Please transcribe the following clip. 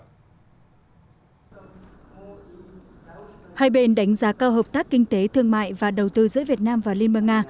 hai bên đánh giá cao hợp tác kinh tế thương mại và đầu tư giữa việt nam và liên bang nga